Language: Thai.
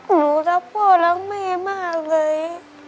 หนูรักพ่อรักแม่มากเลย